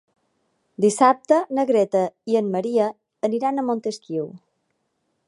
Dissabte na Greta i en Maria aniran a Montesquiu.